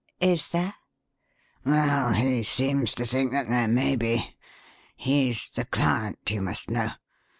Is there?" "Well, he seems to think that there may be. He's the client, you must know.